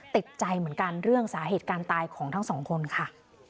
ติดใจเหมือนกันเรื่องสาเหตุการณ์ตายของทั้งสองคนค่ะ